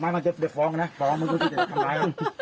ไม่มันจะเปลี่ยนฟ้องนะฟ้องมันก็จะทำร้าย